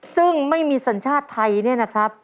ซึ่งไม่มีสัญชาติไทยเนี่ยนะครับ